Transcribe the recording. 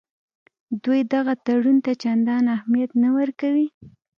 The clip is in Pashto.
دوی دغه تړون ته چندان اهمیت نه ورکوي.